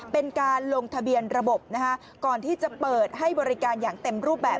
เป็นการลงทะเบียนระบบนะคะก่อนที่จะเปิดให้บริการอย่างเต็มรูปแบบ